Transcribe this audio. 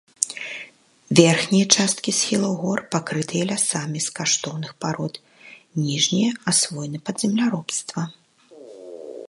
Верхнія часткі схілаў гор пакрытыя лясамі з каштоўных парод, ніжнія асвоены пад земляробства.